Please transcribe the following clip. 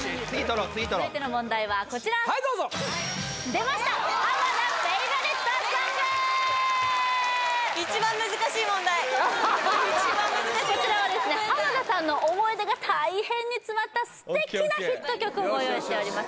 続いての問題はこちらはいどうぞ出ましたこちらはですね浜田さんの思い出が大変に詰まったステキなヒット曲をご用意しております